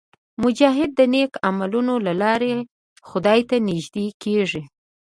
مجاهد د نیک عملونو له لارې خدای ته نږدې کېږي.